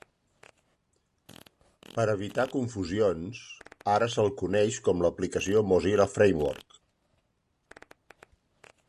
Per a evitar confusions, ara se'l coneix com l'aplicació Mozilla Framework.